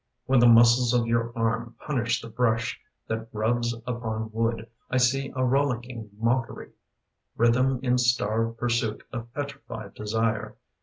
When the muscles of your arm Punish the brush that rubs upon wood I see a rollicking mockery — Rhythm in starved pursuit Of petrified desire.